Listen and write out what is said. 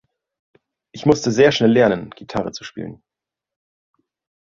„Ich musste sehr schnell lernen, Gitarre zu spielen“.